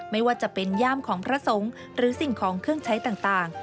ไม่ว่าจะเป็นย่ามของพระสงฆ์หรือสิ่งของเครื่องใช้ต่าง